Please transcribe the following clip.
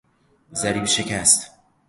ضریب شکست